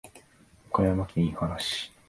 岡山県井原市